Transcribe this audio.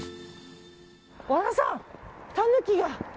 和田さん、タヌキが。